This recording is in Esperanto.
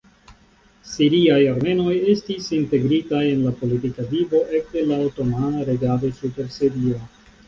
Siriaj armenoj estis integritaj en la politika vivo ekde la otomana regado super Sirio.